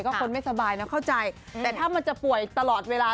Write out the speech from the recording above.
ก็คนไม่สบายนะเข้าใจแต่ถ้ามันจะป่วยตลอดเวลา